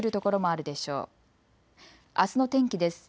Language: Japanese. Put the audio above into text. あすの天気です。